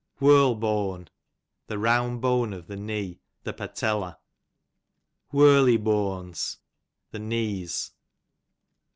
AVhirl booan, the round bone of the knee, the patella. Whirlybooans, the knees.